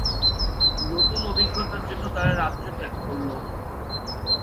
নতুন অভিজ্ঞতার জন্য তারা রাজ্য ত্যাগ করল।